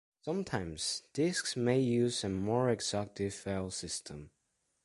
Sometimes disks may use a more exotic file system.